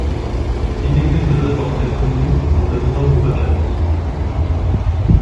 Il n'existe pas de portrait connu représentant Boubakari.